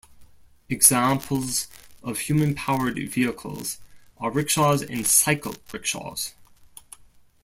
Examples of human-powered vehicles are rickshaws and cycle rickshaws.